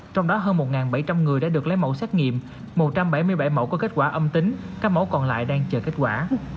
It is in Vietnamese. trong đó hơn một bảy trăm linh người đã được lấy mẫu xét nghiệm một trăm bảy mươi bảy mẫu có kết quả âm tính các mẫu còn lại đang chờ kết quả